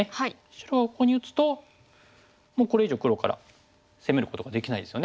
白がここに打つともうこれ以上黒から攻めることができないですよね。